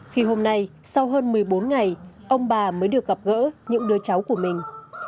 khi hôm nay sau hơn một mươi bốn ngày ông bà mới được gặp gỡ những đứa cháu của mình